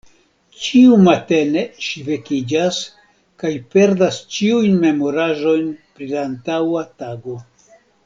Ĉiu matene ŝi vekiĝas kaj perdas ĉiujn memoraĵojn pri la antaŭa tago.